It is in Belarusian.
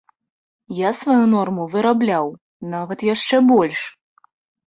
Я сваю норму вырабляў, нават яшчэ больш.